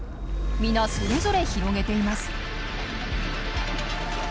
皆それぞれ広げています。